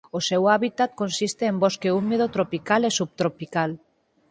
O seu hábitat consiste en bosque húmido tropical e subtropical.